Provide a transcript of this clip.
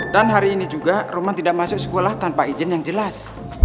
dan hari ini juga roman tidak masuk sekolah tanpa izin yang jelas